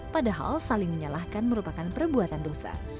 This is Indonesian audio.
padahal saling menyalahkan merupakan perbuatan dosa